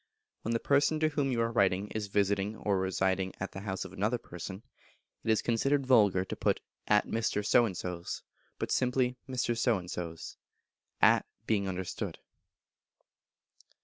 When the person to whom you are writing is visiting or residing at the house of another person, it is considered vulgar to put "at Mr. So and So's," but simply "Mr. So and So's," at being understood.